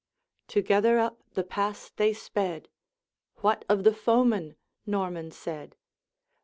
Together up the pass they sped: 'What of the foeman?' Norman said.